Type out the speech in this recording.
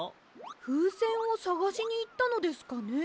ふうせんをさがしにいったのですかね？